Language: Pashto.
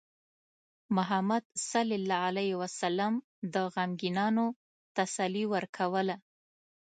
محمد صلى الله عليه وسلم د غمگینانو تسلي ورکوله.